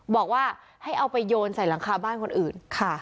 บอกว่าให้เอาไปโยนใส่หลังคาบ้านคนอื่นค่ะ